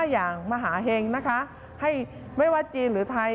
อย่างมหาเห็งนะคะให้ไม่ว่าจีนหรือไทย